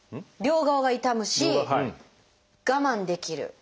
両側が痛むし我慢できる。